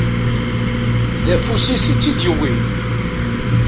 D afus-is i tt-id-yewwin.